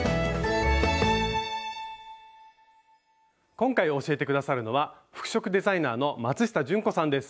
今回教えて下さるのは服飾デザイナーの松下純子さんです。